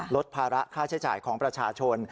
ลดภาระค่าใช้จ่ายของประชาชน